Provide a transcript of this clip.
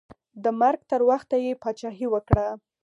د مرګ تر وخته یې پاچاهي وکړه.